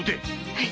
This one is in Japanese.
はい！